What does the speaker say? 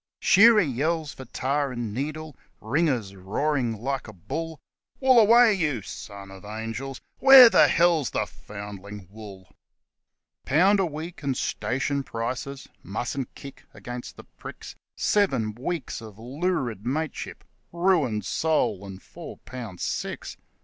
Shearer yells for tar and needle. Ringer's roaring like a bull : 1 Wool away, you (son of angels). Where the hell's the (foundling) WOOL !!' Pound a week and station prices mustn't kick against the pricks Seven weeks of lurid mateship ruined soul and four pounds six.